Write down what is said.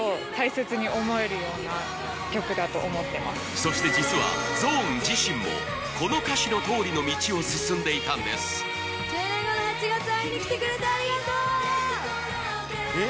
そして実はＺＯＮＥ自身もこの歌詞のとおりの道を進んでいたんですええええ